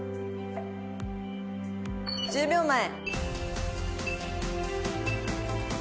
１０秒前。